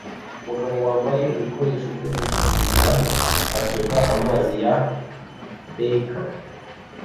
Umugabo wambaye ibikoresho byo gukingira asuka amazi ya beaker